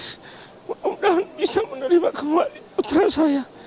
semoga bisa menerima kembali putrus saya